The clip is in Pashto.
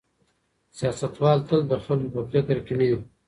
سیاستوال تل د خلکو په فکر کې نه وي.